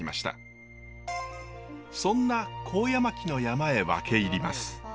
そんな高野槙の山へ分け入ります。